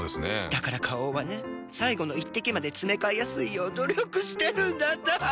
だから花王はね最後の一滴までつめかえやすいよう努力してるんだって。